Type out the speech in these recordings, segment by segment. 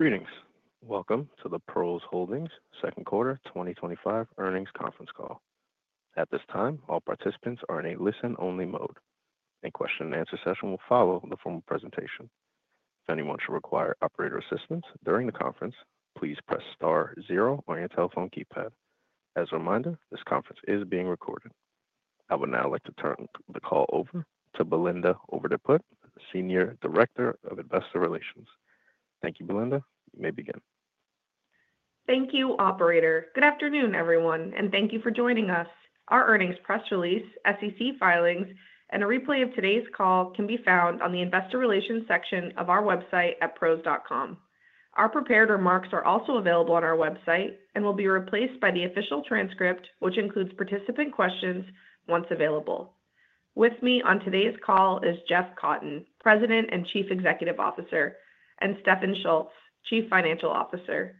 Greetings. Welcome to the PROS Holdings Second Quarter 2025 Earnings Conference Call. At this time, all participants are in a listen-only mode. A question-and-answer session will follow the formal presentation. If anyone should require operator assistance during the conference, please press star zero on your telephone keypad. As a reminder, this conference is being recorded. I would now like to turn the call over to Belinda Overdeput, Senior Director of Investor Relations. Thank you, Belinda. You may begin. Thank you, Operator. Good afternoon, everyone, and thank you for joining us. Our earnings press release, SEC filings, and a replay of today's call can be found on the Investor Relations section of our website at pros.com. Our prepared remarks are also available on our website and will be replaced by the official transcript, which includes participant questions once available. With me on today's call is Jeff Cotten, President and Chief Executive Officer, and Stefan Schulz, Chief Financial Officer.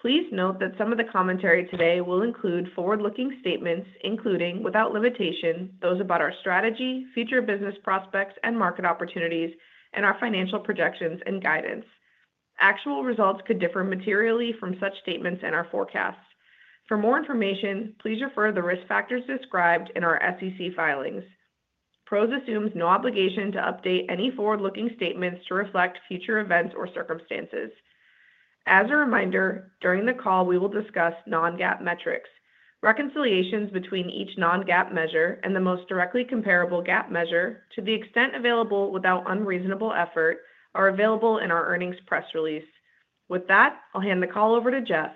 Please note that some of the commentary today will include forward-looking statements, including, without limitation, those about our strategy, future business prospects, and market opportunities, and our financial projections and guidance. Actual results could differ materially from such statements and our forecasts. For more information, please refer to the risk factors described in our SEC filings. PROS assumes no obligation to update any forward-looking statements to reflect future events or circumstances. As a reminder, during the call, we will discuss non-GAAP metrics. Reconciliations between each non-GAAP measure and the most directly comparable GAAP measure, to the extent available without unreasonable effort, are available in our earnings press release. With that, I'll hand the call over to Jeff.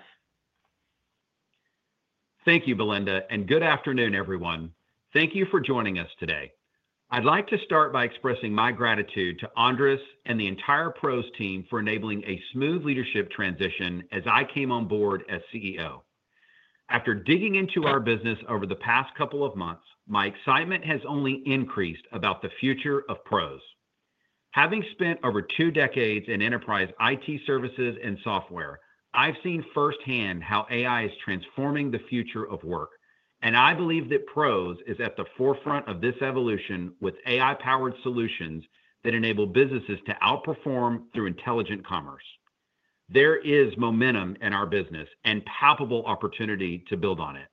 Thank you, Belinda, and good afternoon, everyone. Thank you for joining us today. I'd like to start by expressing my gratitude to Andres and the entire PROS team for enabling a smooth leadership transition as I came on board as CEO. After digging into our business over the past couple of months, my excitement has only increased about the future of PROS. Having spent over two decades in enterprise IT services and software, I've seen firsthand how AI is transforming the future of work, and I believe that PROS is at the forefront of this evolution with AI-powered solutions that enable businesses to outperform through intelligent commerce. There is momentum in our business and palpable opportunity to build on it.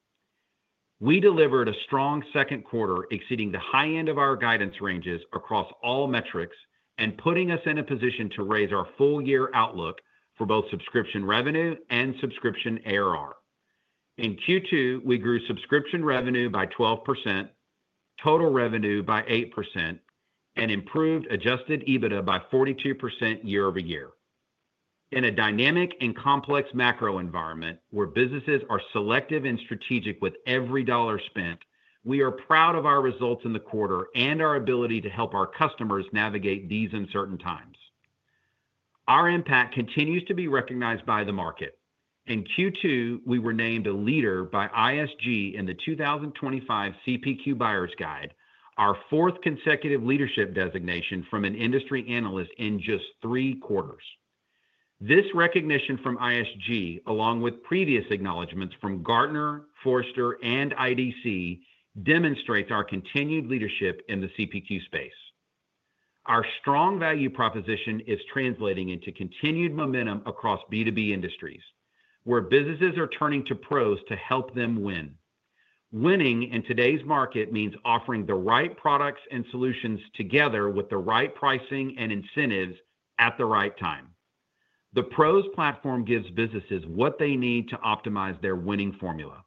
We delivered a strong second quarter, exceeding the high end of our guidance ranges across all metrics and putting us in a position to raise our full-year outlook for both subscription revenue and subscription ARR. In Q2, we grew subscription revenue by 12%, total revenue by 8%, and improved Adjusted EBITDA by 42% year-over-year. In a dynamic and complex macro environment where businesses are selective and strategic with every dollar spent, we are proud of our results in the quarter and our ability to help our customers navigate these uncertain times. Our impact continues to be recognized by the market. In Q2, we were named a leader by ISG in the 2025 CPQ Buyers Guide, our fourth consecutive leadership designation from an industry analyst in just three quarters. This recognition from ISG, along with previous acknowledgements from Gartner, Forrester, and IDC, demonstrates our continued leadership in the CPQ space. Our strong value proposition is translating into continued momentum across B2B industries, where businesses are turning to PROS to help them win. Winning in today's market means offering the right products and solutions together with the right pricing and incentives at the right time. The PROS platform gives businesses what they need to optimize their winning formula.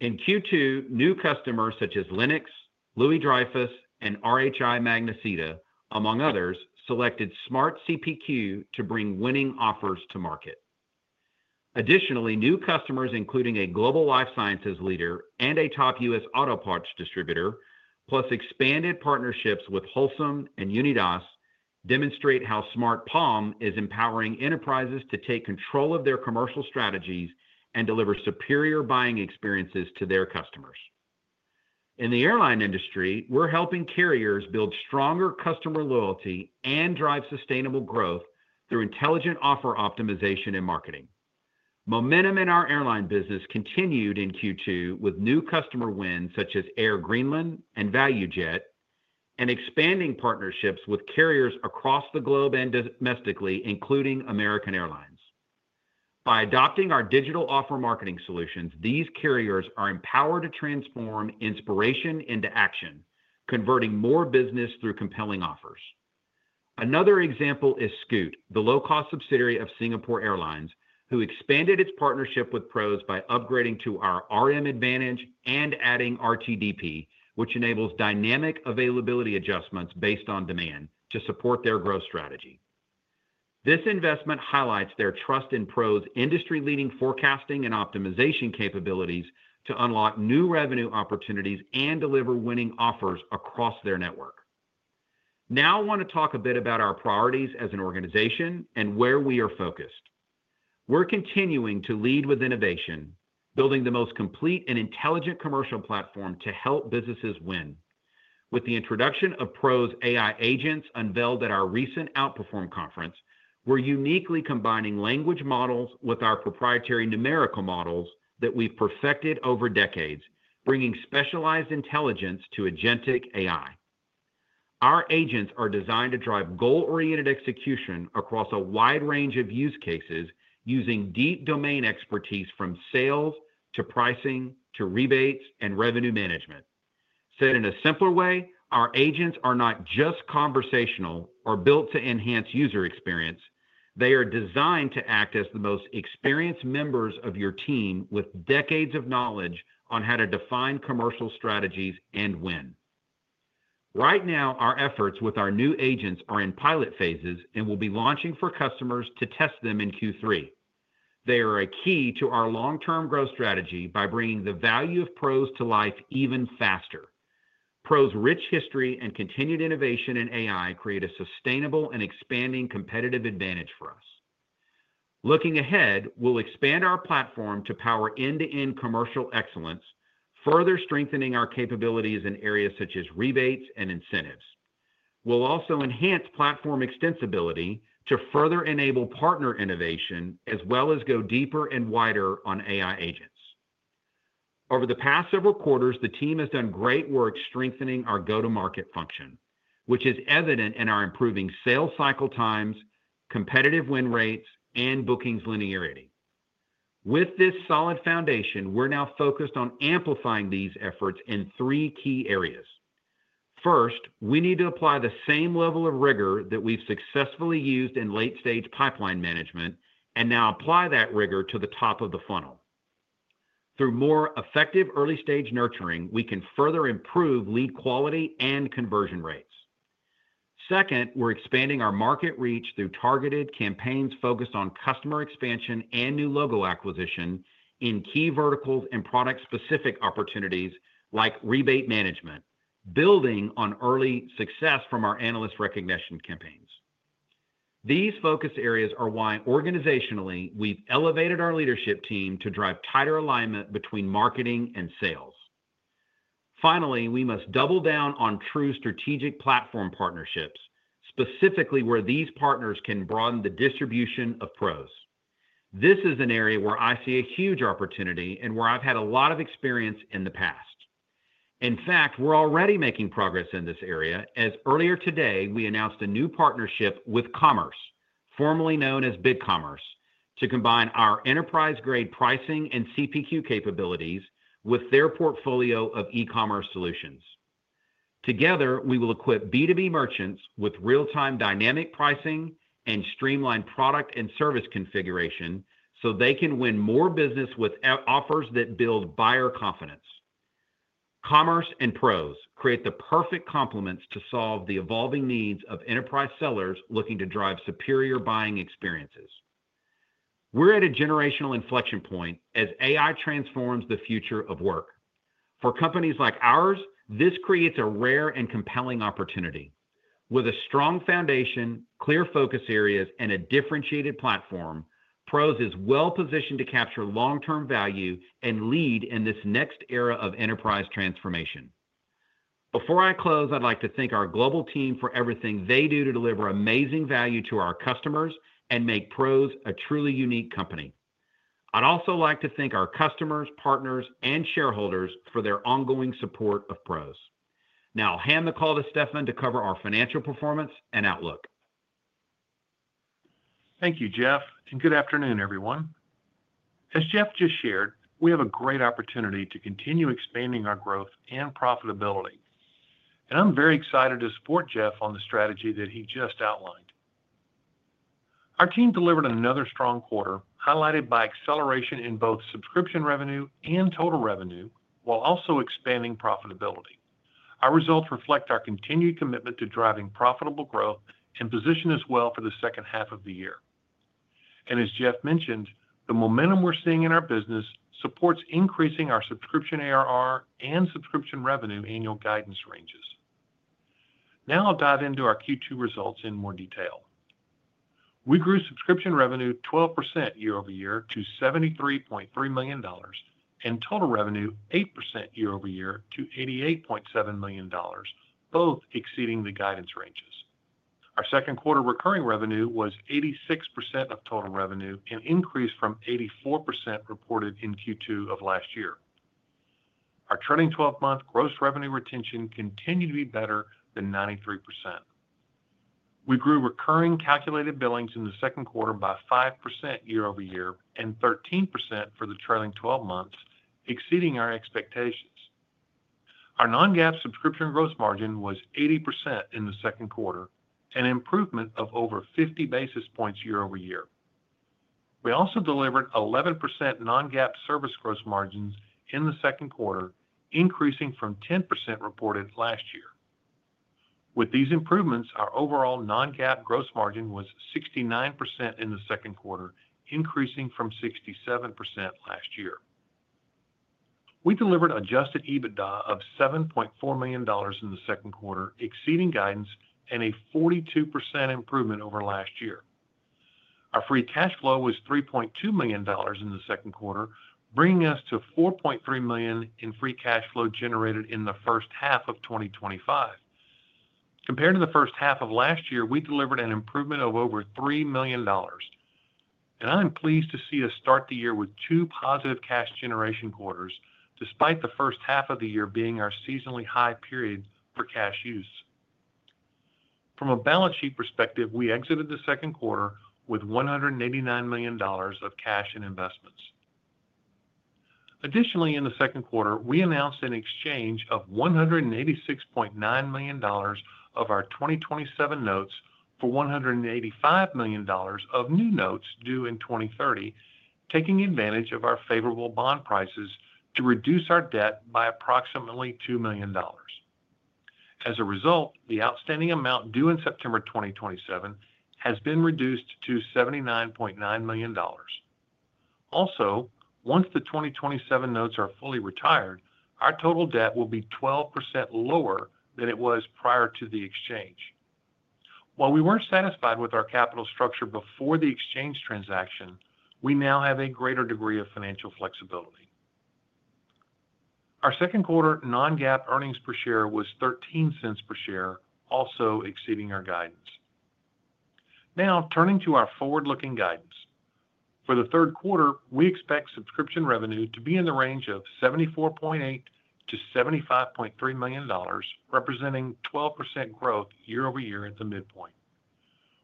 In Q2, new customers such as Lennox, Louis Dreyfus, and RHI Magnesita, among others, selected Smart CPQ to bring winning offers to market. Additionally, new customers, including a global life sciences leader and a top U.S. auto parts distributor, plus expanded partnerships with Holcim and Unidas, demonstrate how Smart POM is empowering enterprises to take control of their commercial strategies and deliver superior buying experiences to their customers. In the airline industry, we're helping carriers build stronger customer loyalty and drive sustainable growth through intelligent offer optimization and marketing. Momentum in our airline business continued in Q2 with new customer wins such as Air Greenland and ValueJet and expanding partnerships with carriers across the globe and domestically, including American Airlines. By adopting our digital offer marketing solutions, these carriers are empowered to transform inspiration into action, converting more business through compelling offers. Another example is Scoot, the low-cost subsidiary of Singapore Airlines, who expanded its partnership with PROS by upgrading to our RM Advantage and adding RTDP, which enables dynamic availability adjustments based on demand to support their growth strategy. This investment highlights their trust in PROS' industry-leading forecasting and optimization capabilities to unlock new revenue opportunities and deliver winning offers across their network. Now I want to talk a bit about our priorities as an organization and where we are focused. We're continuing to lead with innovation, building the most complete and intelligent commercial platform to help businesses win. With the introduction of PROS AI Agents unveiled at our recent Outperform Conference, we're uniquely combining language models with our proprietary numerical models that we've perfected over decades, bringing specialized intelligence to agentic AI. Our agents are designed to drive goal-oriented execution across a wide range of use cases, using deep domain expertise from sales to pricing to rebates and revenue management. Said in a simpler way, our agents are not just conversational or built to enhance user experience; they are designed to act as the most experienced members of your team with decades of knowledge on how to define commercial strategies and win. Right now, our efforts with our new agents are in pilot phases and will be launching for customers to test them in Q3. They are a key to our long-term growth strategy by bringing the value of PROS to life even faster. PROS' rich history and continued innovation in AI create a sustainable and expanding competitive advantage for us. Looking ahead, we'll expand our platform to power end-to-end commercial excellence, further strengthening our capabilities in areas such as rebates and incentives. We'll also enhance platform extensibility to further enable partner innovation as well as go deeper and wider on AI Agents. Over the past several quarters, the team has done great work strengthening our go-to-market function, which is evident in our improving sales cycle times, competitive win rates, and bookings linearity. With this solid foundation, we're now focused on amplifying these efforts in three key areas. First, we need to apply the same level of rigor that we've successfully used in late-stage pipeline management and now apply that rigor to the top-of-funnel marketing. Through more effective early-stage nurturing, we can further improve lead quality and conversion rates. Second, we're expanding our market reach through targeted campaigns focused on customer expansion and new logo acquisition in key verticals and product-specific opportunities like Rebate Management, building on early success from our analyst recognition campaigns. These focused areas are why, organizationally, we've elevated our leadership team to drive tighter alignment between marketing and sales. Finally, we must double down on true strategic platform partnerships, specifically where these partners can broaden the distribution of PROS. This is an area where I see a huge opportunity and where I've had a lot of experience in the past. In fact, we're already making progress in this area as earlier today we announced a new partnership with Commerce, formerly known as BigCommerce, to combine our enterprise-grade pricing and CPQ capabilities with their portfolio of e-commerce solutions. Together, we will equip B2B merchants with real-time dynamic pricing and streamlined product and service configuration so they can win more business with offers that build buyer confidence. Commerce and PROS create the perfect complements to solve the evolving needs of enterprise sellers looking to drive superior buying experiences. We're at a generational inflection point as AI transforms the future of work. For companies like ours, this creates a rare and compelling opportunity. With a strong foundation, clear focus areas, and a differentiated platform, PROS is well-positioned to capture long-term value and lead in this next era of enterprise transformation. Before I close, I'd like to thank our global team for everything they do to deliver amazing value to our customers and make PROS a truly unique company. I'd also like to thank our customers, partners, and shareholders for their ongoing support of PROS. Now I'll hand the call to Stefan to cover our financial performance and outlook. Thank you, Jeff, and good afternoon, everyone. As Jeff just shared, we have a great opportunity to continue expanding our growth and profitability, and I'm very excited to support Jeff on the strategy that he just outlined. Our team delivered another strong quarter, highlighted by acceleration in both subscription revenue and total revenue, while also expanding profitability. Our results reflect our continued commitment to driving profitable growth and position us well for the second half of the year. The momentum we're seeing in our business supports increasing our subscription ARR and subscription revenue annual guidance ranges. Now I'll dive into our Q2 results in more detail. We grew subscription revenue 12% year-over-year to $73.3 million and total revenue 8% year-over-year to $88.7 million, both exceeding the guidance ranges. Our second quarter recurring revenue was 86% of total revenue, an increase from 84% reported in Q2 of last year. Our trailing 12-month gross revenue retention continued to be better than 93%. We grew recurring calculated billings in the second quarter by 5% year-over-year and 13% for the trailing 12 months, exceeding our expectations. Our non-GAAP subscription gross margin was 80% in the second quarter, an improvement of over 50 basis points year-over-year. We also delivered 11% non-GAAP service gross margins in the second quarter, increasing from 10% reported last year. With these improvements, our overall non-GAAP gross margin was 69% in the second quarter, increasing from 67% last year. We delivered Adjusted EBITDA of $7.4 million in the second quarter, exceeding guidance and a 42% improvement over last year. Our free cash flow was $3.2 million in the second quarter, bringing us to $4.3 million in free cash flow generated in the first half of 2025. Compared to the first half of last year, we delivered an improvement of over $3 million, and I'm pleased to see us start the year with two positive cash generation quarters, despite the first half of the year being our seasonally high period for cash use. From a balance sheet perspective, we exited the second quarter with $189 million of cash and investments. Additionally, in the second quarter, we announced an exchange of $186.9 million of our 2027 notes for $185 million of new notes due in 2030, taking advantage of our favorable bond prices to reduce our debt by approximately $2 million. As a result, the outstanding amount due in September 2027 has been reduced to $79.9 million. Also, once the 2027 notes are fully retired, our total debt will be 12% lower than it was prior to the exchange. While we weren't satisfied with our capital structure before the exchange transaction, we now have a greater degree of financial flexibility. Our second quarter non-GAAP earnings per share was $0.13 per share, also exceeding our guidance. Now turning to our forward-looking guidance. For the third quarter, we expect subscription revenue to be in the range of $74.8 million-$75.3 million, representing 12% growth year-over-year at the midpoint.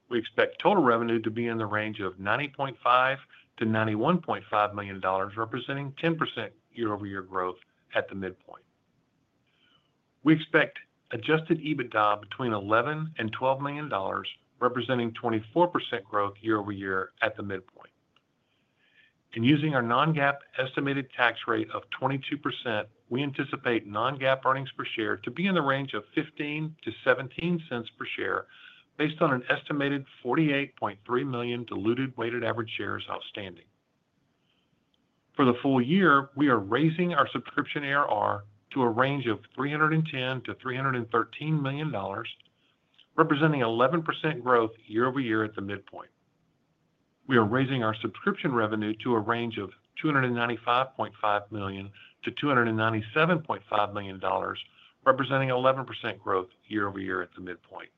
We expect total revenue to be in the range of $90.5 million-$91.5 million, representing 10% year-over-year growth at the midpoint. We expect Adjusted EBITDA between $11 million and $12 million, representing 24% growth year-over-year at the midpoint. Using our non-GAAP estimated tax rate of 22%, we anticipate non-GAAP earnings per share to be in the range of $0.15-$0.17 per share, based on an estimated 48.3 million diluted weighted average shares outstanding. For the full year, we are raising our subscription ARR to a range of $310 million-$313 million, representing 11% growth year-over-year at the midpoint. We are raising our subscription revenue to a range of $295.5 million-$297.5 million, representing 11% growth year-over-year at the midpoint.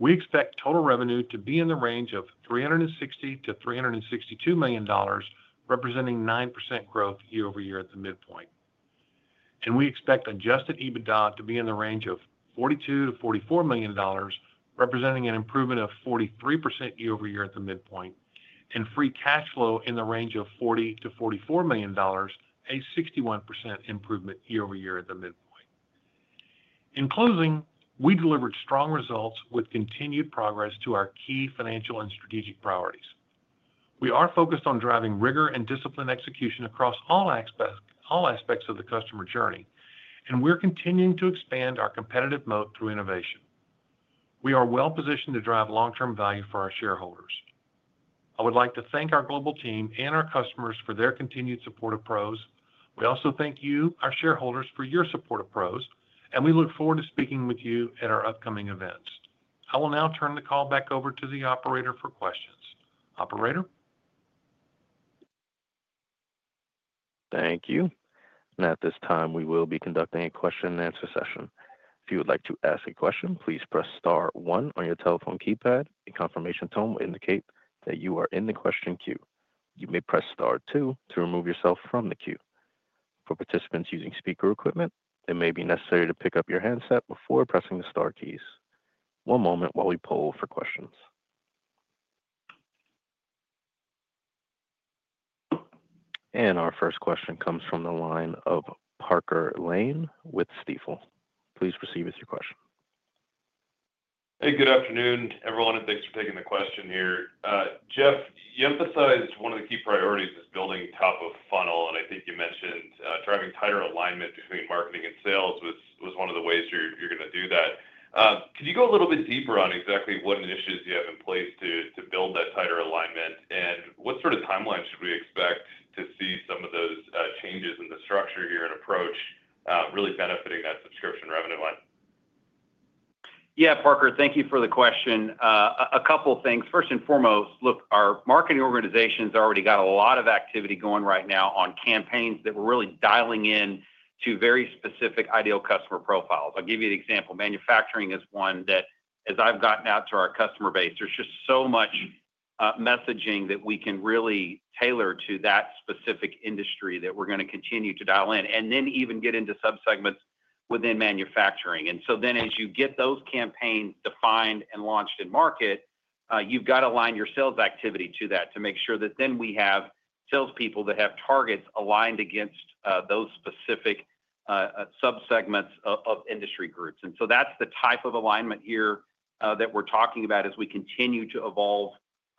We expect total revenue to be in the range of $360 million-$362 million, representing 9% growth year-over-year at the midpoint. We expect Adjusted EBITDA to be in the range of $42 million-$44 million, representing an improvement of 43% year-over-year at the midpoint, and free cash flow in the range of $40 million-$44 million, a 61% improvement year-over-year at the midpoint. In closing, we delivered strong results with continued progress to our key financial and strategic priorities. We are focused on driving rigor and discipline execution across all aspects of the customer journey, and we're continuing to expand our competitive moat through innovation. We are well-positioned to drive long-term value for our shareholders. I would like to thank our global team and our customers for their continued support of PROS. We also thank you, our shareholders, for your support of PROS, and we look forward to speaking with you at our upcoming events. I will now turn the call back over to the Operator for questions. Operator? Thank you. At this time, we will be conducting a question-and-answer session. If you would like to ask a question, please press star one on your telephone keypad. A confirmation tone will indicate that you are in the question queue. You may press star two to remove yourself from the queue. For participants using speaker equipment, it may be necessary to pick up your handset before pressing the star keys. One moment while we poll for questions. Our first question comes from the line of Parker Lane with Stifel. Please proceed with your question. Hey, good afternoon, everyone, and thanks for taking the question here. Jeff, you emphasized one of the key priorities is building top-of-funnel, and I think you mentioned driving tighter alignment between marketing and sales was one of the ways you're going to do that. Could you go a little bit deeper on exactly what initiatives you have in place to build that tighter alignment, and what sort of timeline should we expect to see some of those changes in the structure here at PROS really benefiting that subscription revenue line? Yeah, Parker, thank you for the question. A couple of things. First and foremost, look, our marketing organization's already got a lot of activity going right now on campaigns that we're really dialing in to very specific ideal customer profiles. I'll give you an example. Manufacturing is one that, as I've gotten out to our customer base, there's just so much messaging that we can really tailor to that specific industry that we're going to continue to dial in and then even get into subsegments within manufacturing. As you get those campaigns defined and launched in market, you've got to align your sales activity to that to make sure that we have salespeople that have targets aligned against those specific subsegments of industry groups. That's the type of alignment here that we're talking about as we continue to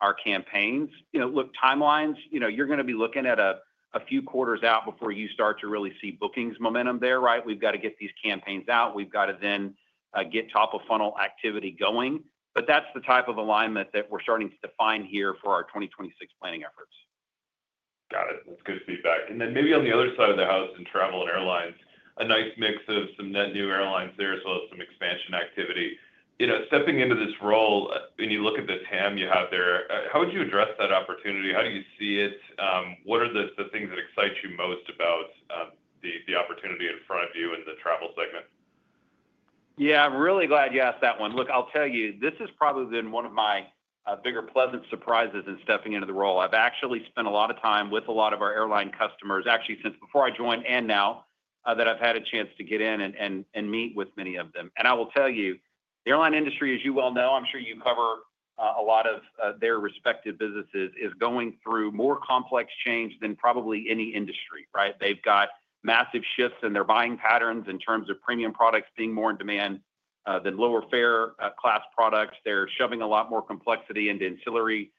evolve our campaigns. Timelines, you know, you're going to be looking at a few quarters out before you start to really see bookings momentum there, right? We've got to get these campaigns out. We've got to then get top-of-funnel activity going. That's the type of alignment that we're starting to define here for our 2026 planning efforts. Got it. That's good feedback. Maybe on the other side of the house in travel and airlines, a nice mix of some net new airlines there as well as some expansion activity. You know, stepping into this role, when you look at the TAM you have there, how would you address that opportunity? How do you see it? What are the things that excite you most about the opportunity in front of you in the travel segment? Yeah, I'm really glad you asked that one. Look, I'll tell you, this has probably been one of my bigger pleasant surprises in stepping into the role. I've actually spent a lot of time with a lot of our airline customers, actually since before I joined and now that I've had a chance to get in and meet with many of them. I will tell you, the airline industry, as you well know, I'm sure you cover a lot of their respective businesses, is going through more complex change than probably any industry, right? They've got massive shifts in their buying patterns in terms of premium products being more in demand than lower fare class products. They're shoving a lot more complexity into ancillary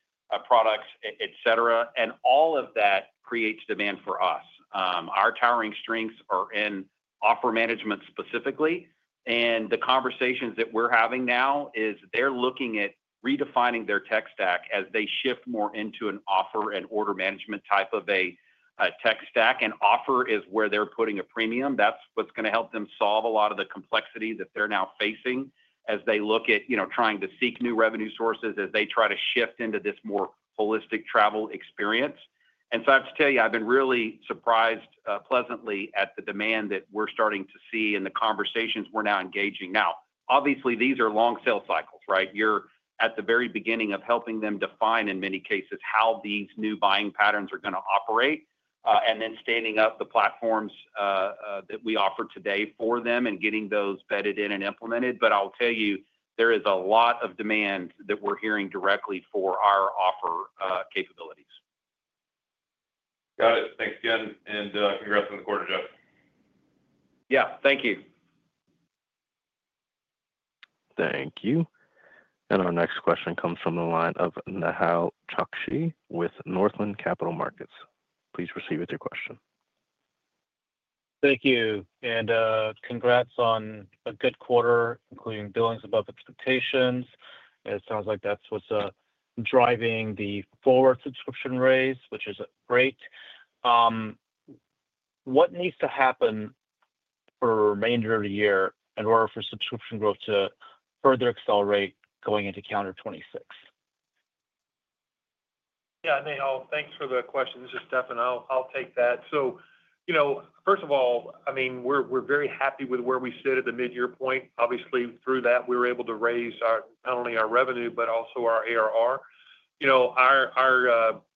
products, etc., and all of that creates demand for us. Our towering strengths are in offer management specifically, and the conversations that we're having now are they're looking at redefining their tech stack as they shift more into an offer and order management type of a tech stack. Offer is where they're putting a premium. That's what's going to help them solve a lot of the complexity that they're now facing as they look at, you know, trying to seek new revenue sources as they try to shift into this more holistic travel experience. I have to tell you, I've been really surprised pleasantly at the demand that we're starting to see in the conversations we're now engaging. Obviously, these are long sales cycles, right? You're at the very beginning of helping them define, in many cases, how these new buying patterns are going to operate and then standing up the platforms that we offer today for them and getting those vetted in and implemented. I'll tell you, there is a lot of demand that we're hearing directly for our offer capabilities. Got it. Thanks, Jeff. Congrats on the quarter, Jeff. Thank you. Thank you. Our next question comes from the line of Nehal Chokshi with Northland Capital Markets. Please proceed with your question. Thank you. Congrats on a good quarter, including billings above expectations. It sounds like that's what's driving the forward subscription raise, which is great. What needs to happen for the remainder of the year in order for subscription growth to further accelerate going into calendar 2026? Yeah, Nehal, thanks for the question. This is Stefan. I'll take that. First of all, I mean, we're very happy with where we sit at the mid-year point. Obviously, through that, we were able to raise not only our revenue, but also our ARR.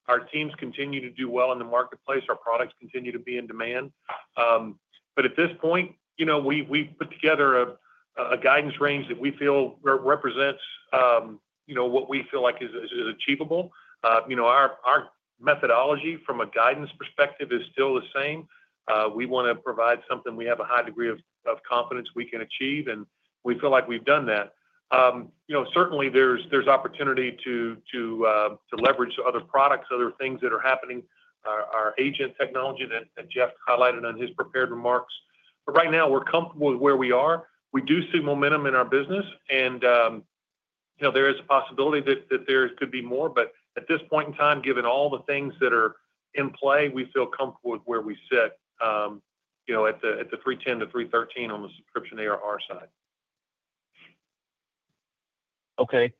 Our teams continue to do well in the marketplace. Our products continue to be in demand. At this point, we've put together a guidance range that we feel represents what we feel like is achievable. Our methodology from a guidance perspective is still the same. We want to provide something we have a high degree of confidence we can achieve, and we feel like we've done that. Certainly, there's opportunity to leverage other products, other things that are happening, our agent technology that Jeff highlighted on his prepared remarks. Right now, we're comfortable with where we are. We do see momentum in our business, and there is a possibility that there could be more. At this point in time, given all the things that are in play, we feel comfortable with where we sit at the $310 million-$313 million on the subscription ARR side. Okay.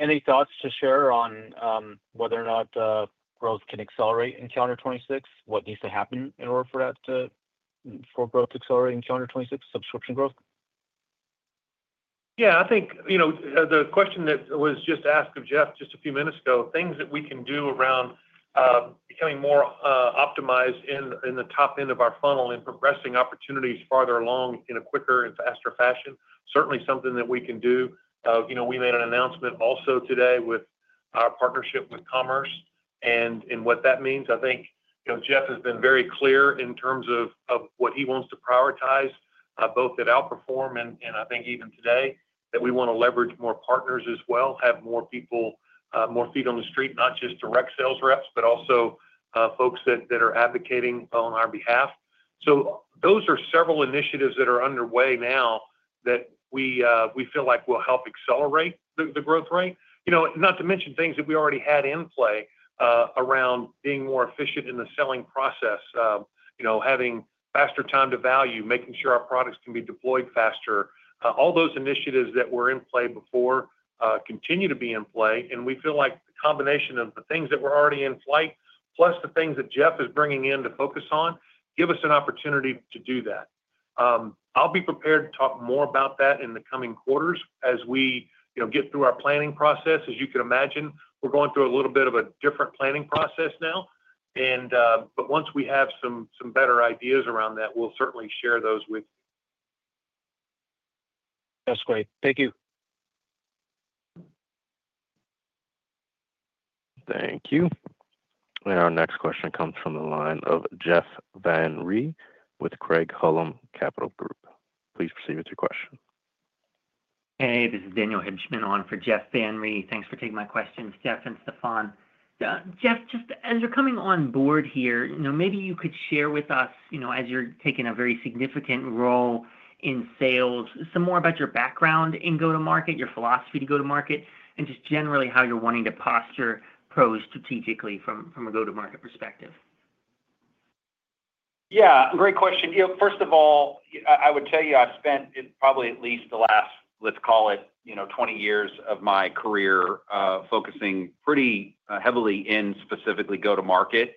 Any thoughts to share on whether or not growth can accelerate in calendar 2026? What needs to happen in order for that to, for growth to accelerate in calendar 2026, subscription growth? Yeah, I think the question that was just asked of Jeff just a few minutes ago, things that we can do around becoming more optimized in the top end of our funnel and progressing opportunities farther along in a quicker and faster fashion, certainly something that we can do. We made an announcement also today with our partnership with Commerce, and what that means, I think Jeff has been very clear in terms of what he wants to prioritize, both at Outperform and I think even today, that we want to leverage more partners as well, have more people, more feet on the street, not just direct sales reps, but also folks that are advocating on our behalf. Those are several initiatives that are underway now that we feel like will help accelerate the growth rate. Not to mention things that we already had in play around being more efficient in the selling process, having faster time to value, making sure our products can be deployed faster. All those initiatives that were in play before continue to be in play, and we feel like the combination of the things that were already in flight plus the things that Jeff is bringing in to focus on give us an opportunity to do that. I'll be prepared to talk more about that in the coming quarters as we get through our planning process. As you can imagine, we're going through a little bit of a different planning process now. Once we have some better ideas around that, we'll certainly share those with you. That's great. Thank you. Thank you. Our next question comes from the line of Jeff Van Rhee with Craig-Hallum Capital Group. Please proceed with your question. Hey, this is Daniel Hibshman on for Jeff Van Rhee. Thanks for taking my question, Stefan and Jeff. Just as you're coming on board here, maybe you could share with us, as you're taking a very significant role in sales, some more about your background in go-to-market, your philosophy to go-to-market, and just generally how you're wanting to posture PROS strategically from a go-to-market perspective. Yeah, great question. First of all, I would tell you I've spent probably at least the last, let's call it, 20 years of my career focusing pretty heavily in specifically go-to-market.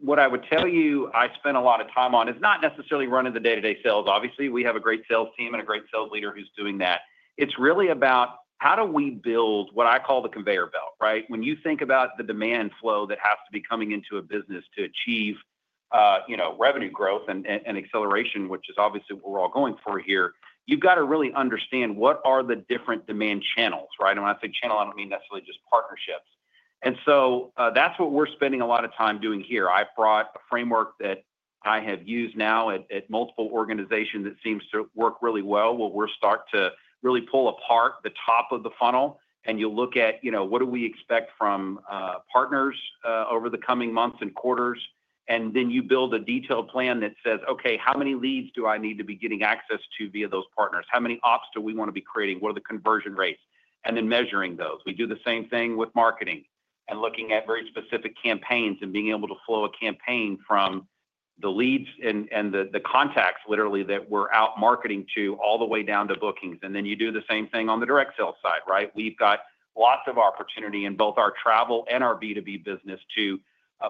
What I would tell you I spent a lot of time on is not necessarily running the day-to-day sales. Obviously, we have a great sales team and a great sales leader who's doing that. It's really about how do we build what I call the conveyor belt, right? When you think about the demand flow that has to be coming into a business to achieve revenue growth and acceleration, which is obviously what we're all going for here, you've got to really understand what are the different demand channels, right? When I say channel, I don't mean necessarily just partnerships. That's what we're spending a lot of time doing here. I've brought a framework that I have used now at multiple organizations that seems to work really well. We're starting to really pull apart the top of the funnel, and you look at what do we expect from partners over the coming months and quarters, and then you build a detailed plan that says, okay, how many leads do I need to be getting access to via those partners? How many ops do we want to be creating? What are the conversion rates? Then measuring those. We do the same thing with marketing and looking at very specific campaigns and being able to flow a campaign from the leads and the contacts, literally, that we're out marketing to all the way down to bookings. You do the same thing on the direct sales side, right? We've got lots of opportunity in both our travel and our B2B business to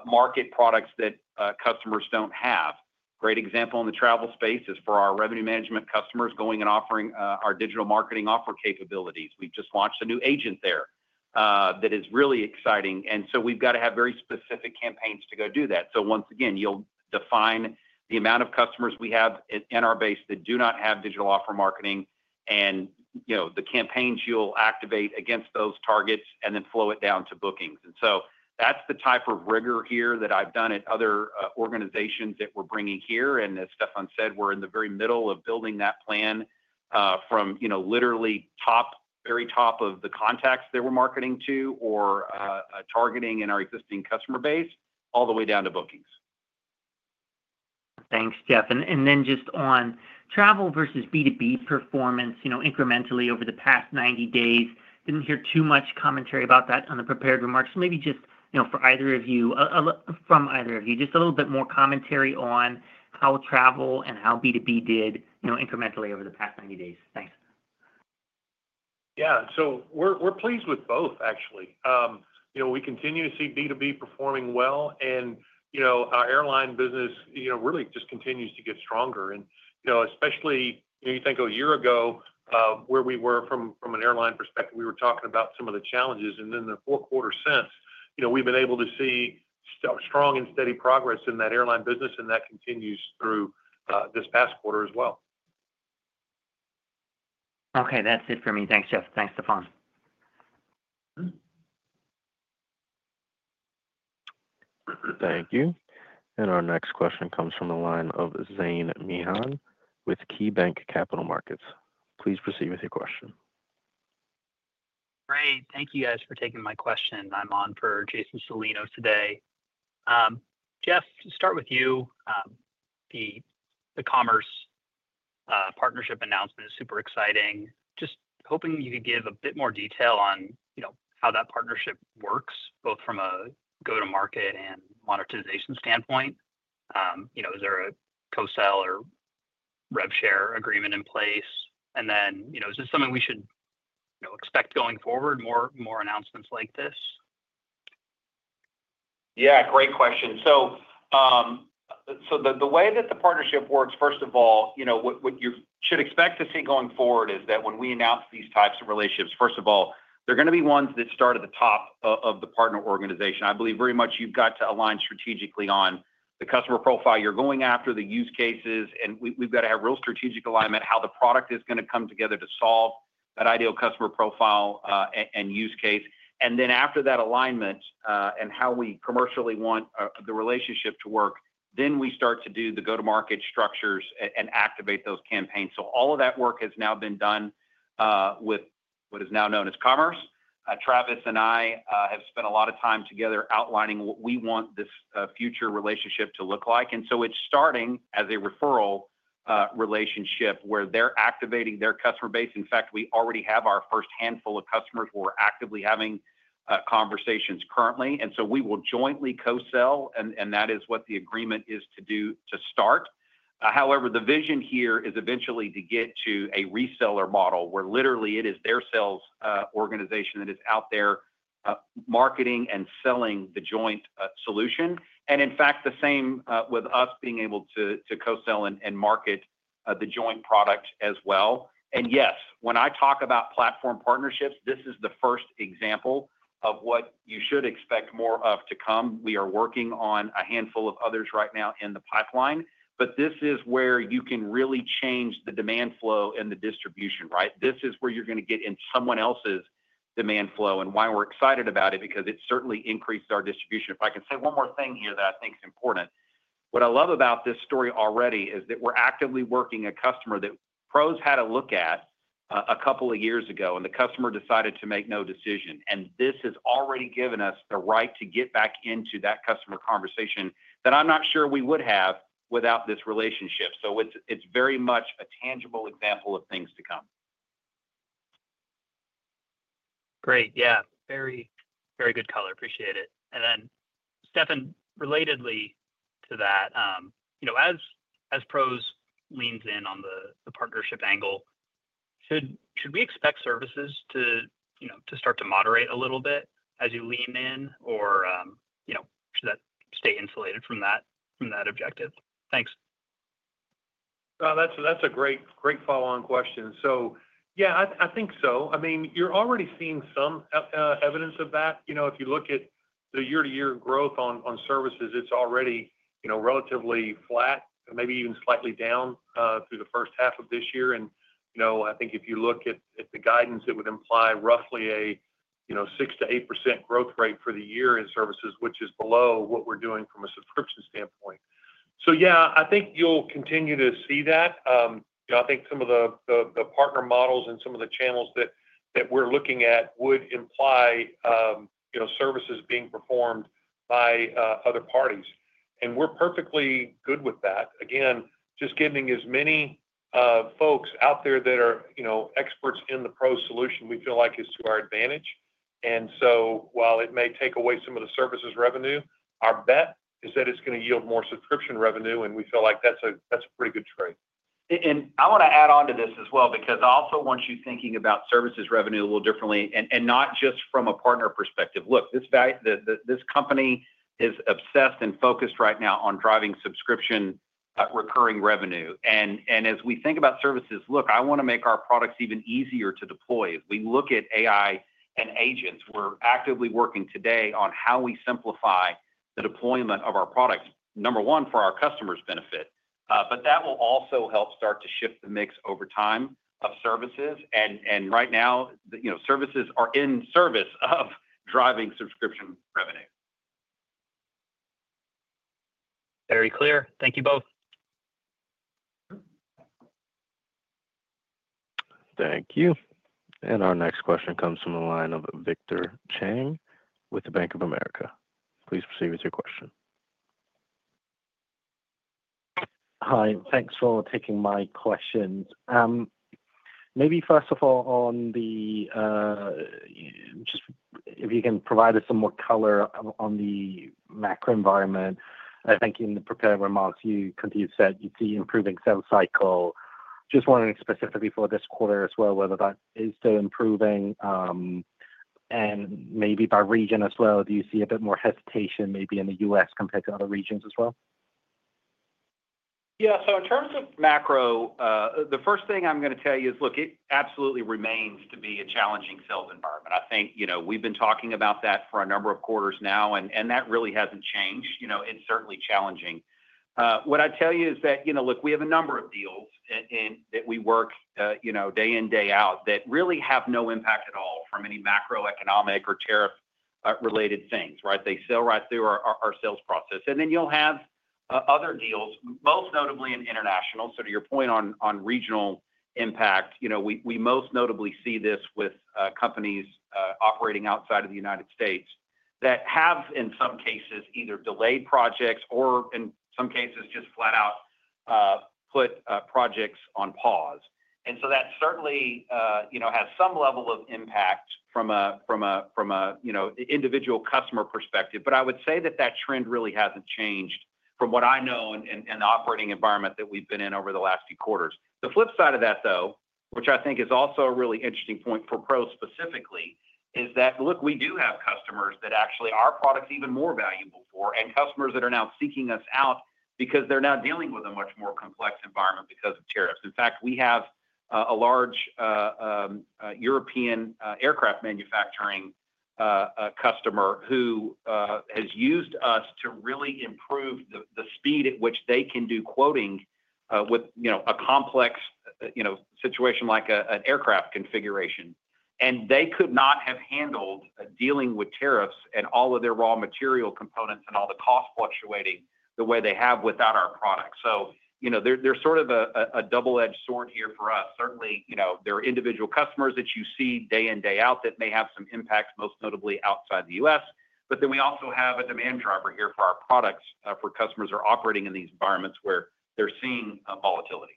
market products that customers don't have. Great example in the travel space is for our revenue management customers going and offering our digital marketing offer capabilities. We've just launched a new agent there that is really exciting. We've got to have very specific campaigns to go do that. Once again, you'll define the amount of customers we have in our base that do not have digital offer marketing, and the campaigns you'll activate against those targets and then flow it down to bookings. That's the type of rigor here that I've done at other organizations that we're bringing here. As Stefan said, we're in the very middle of building that plan from, literally, very top of the contacts that we're marketing to or targeting in our existing customer base, all the way down to bookings. Thanks, Jeff. Just on travel versus B2B performance, incrementally over the past 90 days, I didn't hear too much commentary about that on the prepared remarks. Maybe for either of you, just a little bit more commentary on how travel and how B2B did incrementally over the past 90 days. Thanks. Yeah, we're pleased with both, actually. We continue to see B2B performing well, and our airline business really just continues to get stronger. Especially, you think a year ago where we were from an airline perspective, we were talking about some of the challenges. In the four quarters since, we've been able to see strong and steady progress in that airline business, and that continues through this past quarter as well. Okay, that's it for me. Thanks, Jeff. Thanks, Stefan. Thank you. Our next question comes from the line of Zane Meehan with KeyBanc Capital Markets. Please proceed with your question. Great. Thank you guys for taking my question. I'm on for Jason Celino today. Jeff, to start with you, the Commerce partnership announcement is super exciting. Just hoping you could give a bit more detail on how that partnership works, both from a go-to-market and monetization standpoint. Is there a co-sell or rev share agreement in place? Is this something we should expect going forward, more announcements like this? Great question. The way that the partnership works, first of all, what you should expect to see going forward is that when we announce these types of relationships, they're going to be ones that start at the top of the partner organization. I believe very much you've got to align strategically on the customer profile you're going after, the use cases, and we've got to have real strategic alignment, how the product is going to come together to solve that ideal customer profile and use case. After that alignment and how we commercially want the relationship to work, we start to do the go-to-market structures and activate those campaigns. All of that work has now been done with what is now known as Commerce. Travis and I have spent a lot of time together outlining what we want this future relationship to look like. It's starting as a referral relationship where they're activating their customer base. In fact, we already have our first handful of customers who are actively having conversations currently. We will jointly co-sell, and that is what the agreement is to do to start. However, the vision here is eventually to get to a reseller model where literally it is their sales organization that is out there marketing and selling the joint solution. In fact, the same with us being able to co-sell and market the joint product as well. Yes, when I talk about platform partnerships, this is the first example of what you should expect more of to come. We are working on a handful of others right now in the pipeline. This is where you can really change the demand flow and the distribution, right? This is where you're going to get in someone else's demand flow. Why we're excited about it is because it certainly increased our distribution. If I could say one more thing here that I think is important. What I love about this story already is that we're actively working a customer that PROS had a look at a couple of years ago, and the customer decided to make no decision. This has already given us the right to get back into that customer conversation that I'm not sure we would have without this relationship. It's very much a tangible example of things to come. Great. Very, very good color. Appreciate it. Stefan, relatedly to that, as PROS leans in on the partnership angle, should we expect services to start to moderate a little bit as you lean in, or should that stay insulated from that objective? Thanks. That's a great, great follow-on question. Yeah, I think so. I mean, you're already seeing some evidence of that. If you look at the year-to-year growth on services, it's already relatively flat, maybe even slightly down through the first half of this year. I think if you look at the guidance, it would imply roughly a 6%-8% growth rate for the year in services, which is below what we're doing from a subscription standpoint. I think you'll continue to see that. I think some of the partner models and some of the channels that we're looking at would imply services being performed by other parties. We're perfectly good with that. Again, just getting as many folks out there that are experts in the PROS solution, we feel like it's to our advantage. While it may take away some of the services revenue, our bet is that it's going to yield more subscription revenue, and we feel like that's a pretty good trade. I want to add on to this as well because I also want you thinking about services revenue a little differently and not just from a partner perspective. Look, this company is obsessed and focused right now on driving subscription recurring revenue. As we think about services, I want to make our products even easier to deploy. If we look at AI and agents, we're actively working today on how we simplify the deployment of our products, number one, for our customers' benefit. That will also help start to shift the mix over time of services. Right now, you know, services are in service of driving subscription revenue. Very clear. Thank you both. Thank you. Our next question comes from the line of Victor Cheng with Bank of America. Please proceed with your question. Hi, thanks for taking my questions. Maybe first of all, if you can provide us some more color on the macro environment. I think in the prepared remarks, you continued to say you see improving sales cycle. Just wondering specifically for this quarter as well whether that is still improving. Maybe by region as well, do you see a bit more hesitation maybe in the U.S. compared to other regions as well? Yeah, so in terms of macro, the first thing I'm going to tell you is, look, it absolutely remains to be a challenging sales environment. I think we've been talking about that for a number of quarters now, and that really hasn't changed. It's certainly challenging. What I tell you is that we have a number of deals that we work day in, day out that really have no impact at all from any macroeconomic or tariff-related things, right? They sell right through our sales process. You will have other deals, most notably in international. To your point on regional impact, we most notably see this with companies operating outside of the United States that have, in some cases, either delayed projects or, in some cases, just flat out put projects on pause. That certainly has some level of impact from an individual customer perspective. I would say that trend really hasn't changed from what I know and the operating environment that we've been in over the last few quarters. The flip side of that, though, which I think is also a really interesting point for PROS specifically, is that we do have customers that actually are products even more valuable for and customers that are now seeking us out because they're now dealing with a much more complex environment because of tariffs. In fact, we have a large European aircraft manufacturing customer who has used us to really improve the speed at which they can do quoting with a complex situation like an aircraft configuration. They could not have handled dealing with tariffs and all of their raw material components and all the cost fluctuating the way they have without our product. There's sort of a double-edged sword here for us. Certainly, there are individual customers that you see day in, day out that may have some impacts, most notably outside the U.S. We also have a demand driver here for our products for customers that are operating in these environments where they're seeing volatility.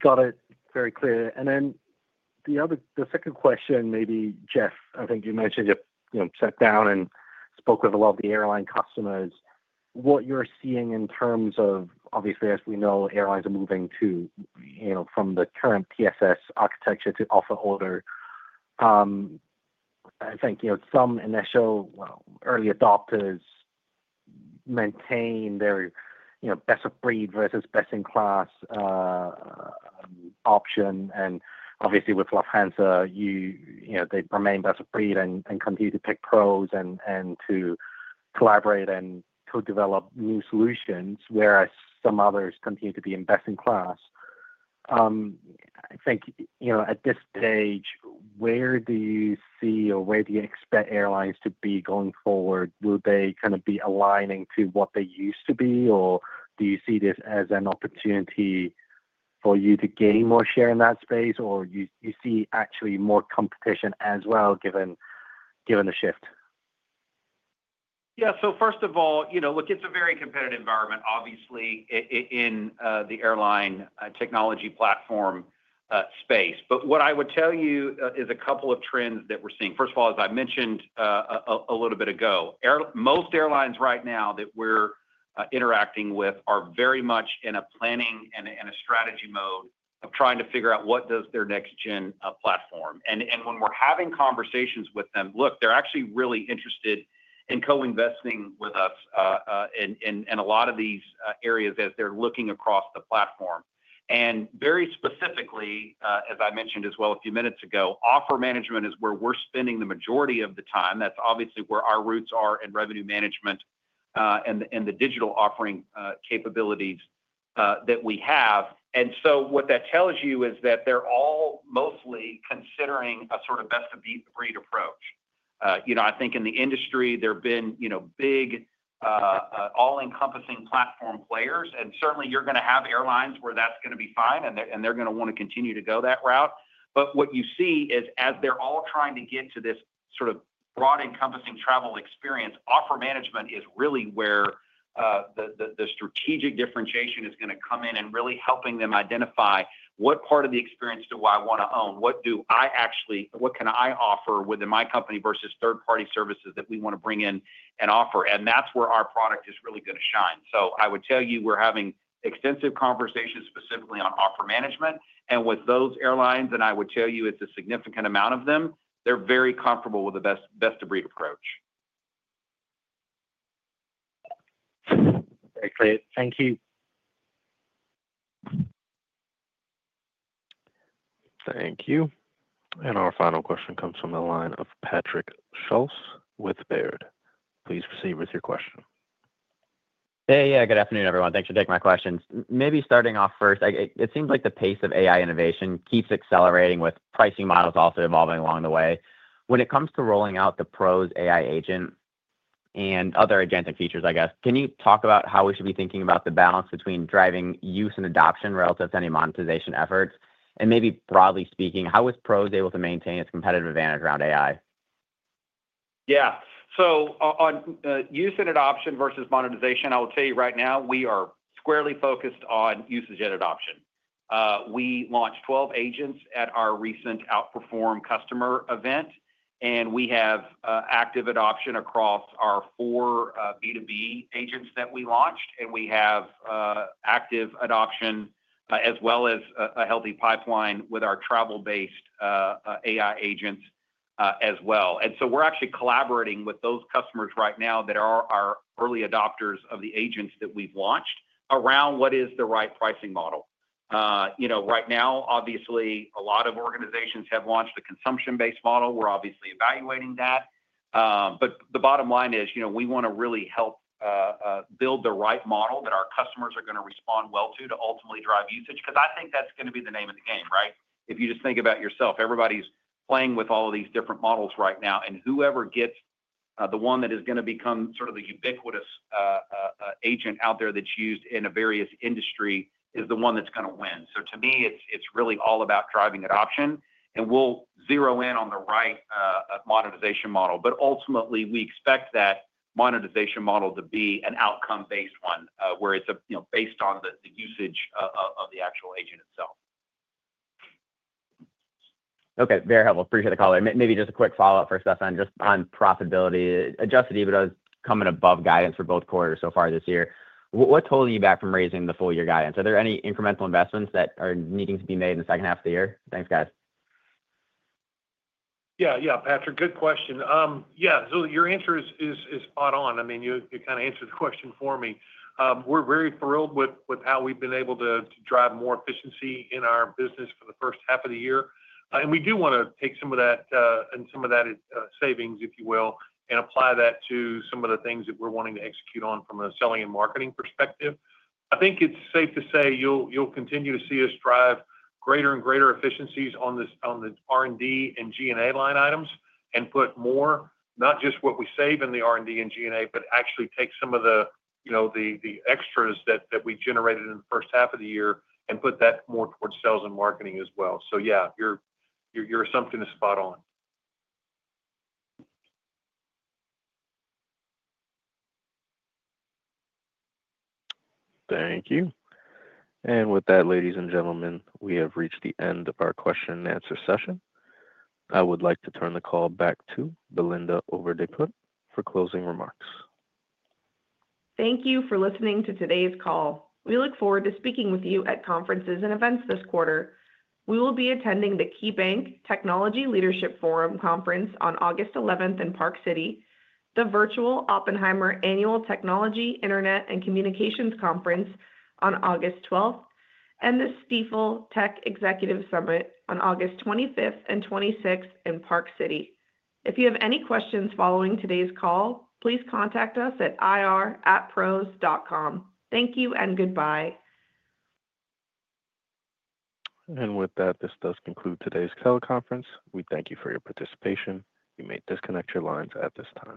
Got it. Very clear. The second question, maybe, Jeff, I think you mentioned you sat down and spoke with a lot of the airline customers. What you're seeing in terms of, obviously, as we know, airlines are moving to, you know, from the current TSS architecture to offer and order. I think some initial early adopters maintain their best-of-breed versus best-in-class option. Obviously, with Lufthansa, they've remained best-of-breed and continue to pick PROS and to collaborate and co-develop new solutions, whereas some others continue to be best-in-class. At this stage, where do you see or where do you expect airlines to be going forward? Will they kind of be aligning to what they used to be, or do you see this as an opportunity for you to gain more share in that space, or do you see actually more competition as well, given the shift? Yeah, so first of all, you know, look, it's a very competitive environment, obviously, in the airline technology platform space. What I would tell you is a couple of trends that we're seeing. First of all, as I mentioned a little bit ago, most airlines right now that we're interacting with are very much in a planning and a strategy mode of trying to figure out what does their next-gen platform. When we're having conversations with them, look, they're actually really interested in co-investing with us in a lot of these areas as they're looking across the platform. Very specifically, as I mentioned as well a few minutes ago, offer management is where we're spending the majority of the time. That's obviously where our roots are in revenue management and the digital offering capabilities that we have. What that tells you is that they're all mostly considering a sort of best-of-breed approach. I think in the industry, there have been, you know, big, all-encompassing platform players. Certainly, you're going to have airlines where that's going to be fine, and they're going to want to continue to go that route. What you see is, as they're all trying to get to this sort of broad-encompassing travel experience, offer management is really where the strategic differentiation is going to come in and really helping them identify what part of the experience do I want to own? What do I actually, what can I offer within my company versus third-party services that we want to bring in and offer? That's where our product is really going to shine. I would tell you we're having extensive conversations specifically on offer management. With those airlines, and I would tell you it's a significant amount of them, they're very comfortable with the best-of-breed approach. Excellent. Thank you. Thank you. Our final question comes from the line of Patrick Schulz with Baird. Please proceed with your question. Good afternoon, everyone. Thanks for taking my questions. Maybe starting off first, it seems like the pace of AI innovation keeps accelerating with pricing models also evolving along the way. When it comes to rolling out the PROS AI Agents and other adjacent features, can you talk about how we should be thinking about the balance between driving use and adoption relative to any monetization efforts? Maybe broadly speaking, how is PROS able to maintain its competitive advantage around AI? Yeah, on use and adoption versus monetization, I will tell you right now we are squarely focused on usage and adoption. We launched 12 agents at our recent Outperform customer event, and we have active adoption across our four B2B agents that we launched. We have active adoption as well as a healthy pipeline with our travel-based AI agents as well. We're actually collaborating with those customers right now that are our early adopters of the agents that we've launched around what is the right pricing model. Right now, obviously, a lot of organizations have launched the consumption-based model. We're obviously evaluating that. The bottom line is, we want to really help build the right model that our customers are going to respond well to to ultimately drive usage because I think that's going to be the name of the game, right? If you just think about yourself, everybody's playing with all of these different models right now, and whoever gets the one that is going to become sort of the ubiquitous agent out there that's used in a various industry is the one that's going to win. To me, it's really all about driving adoption, and we'll zero in on the right monetization model. Ultimately, we expect that monetization model to be an outcome-based one where it's based on the usage of the actual agent itself. Okay, very helpful. Appreciate the call. Maybe just a quick follow-up for Stefan, just on profitability. Adjusted EBITDA is coming above guidance for both quarters so far this year. What's holding you back from raising the full-year guidance? Are there any incremental investments that are needing to be made in the second half of the year? Thanks, guys. Yeah, Patrick, good question. Your answer is spot on. I mean, you kind of answered the question for me. We're very thrilled with how we've been able to drive more efficiency in our business for the first half of the year. We do want to take some of that and some of that savings, if you will, and apply that to some of the things that we're wanting to execute on from a selling and marketing perspective. I think it's safe to say you'll continue to see us drive greater and greater efficiencies on the R&D and G&A line items and put more, not just what we save in the R&D and G&A, but actually take some of the extras that we generated in the first half of the year and put that more towards sales and marketing as well. Your assumption is spot on. Thank you. With that, ladies and gentlemen, we have reached the end of our question and answer session. I would like to turn the call back to Belinda Overdeput for closing remarks. Thank you for listening to today's call. We look forward to speaking with you at conferences and events this quarter. We will be attending the KeyBanc Technology Leadership Forum Conference on August 11 in Park City, the Virtual Oppenheimer Annual Technology, Internet, and Communications Conference on August 12, and the Stifel Tech Executive Summit on August 25th and 26th in Park City. If you have any questions following today's call, please contact us at ir@pros.com. Thank you and goodbye. This does conclude today's teleconference. We thank you for your participation. You may disconnect your lines at this time.